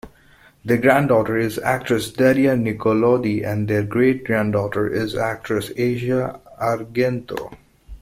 Their granddaughter is actress Daria Nicolodi and their great-granddaughter is actress Asia Argento.